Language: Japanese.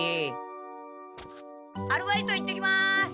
アルバイト行ってきます！